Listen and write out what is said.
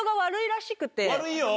悪いよ。